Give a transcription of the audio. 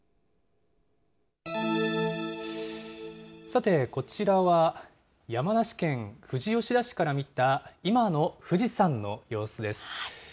さて、こちらは山梨県富士吉田市から見た、今の富士山の様子です。